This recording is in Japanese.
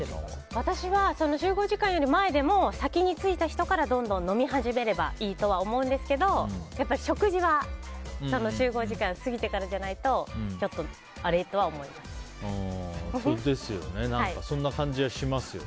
私は集合時間より前でも先についた人からどんどん飲み始めればいいとは思うんですけどやっぱり食事は集合時間過ぎてからじゃないとそんな感じはしますね。